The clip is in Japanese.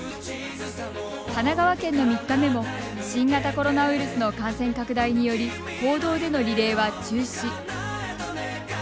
神奈川県の３日目も新型コロナウイルスの感染拡大により公道でのリレーは中止。